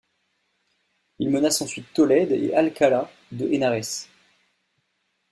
Il menace ensuite Tolède et Alcala de Henares.